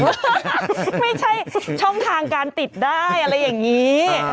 ไม่ใช่ช่องทางการติดได้อะไรอย่างนี้